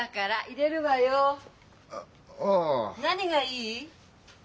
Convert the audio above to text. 何がいい？